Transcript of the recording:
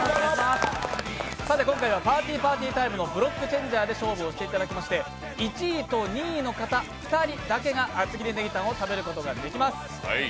今回は「パーティーパーティータイム」の「ブロックチェンジャー」で勝負していただきまして１位と２位の方２人だけが厚切りネギタンを食べることができます。